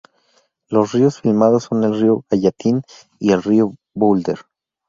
Los ríos filmados son el río Gallatin y el río Boulder.